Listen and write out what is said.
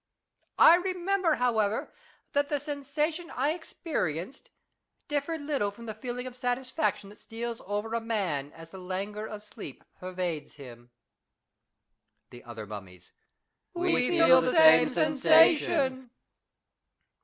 I remember, however, that the sensation I experienced differed little from the feeling of satisfaction that steals over a man, as the languor of sleep pervades him. The other Mummies. We felt the same sensation.